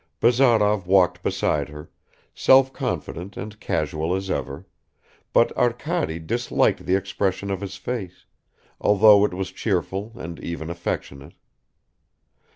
Bazarov walked behind her, self confident and casual as ever, but Arkady disliked the expression of his face, although it was cheerful and even affectionate.